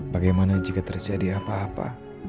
bagaimana jika terjadi apa apa